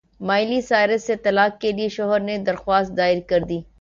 Miley Cyrus سے طلاق کے لیے شوہر نے درخواست دائر کردی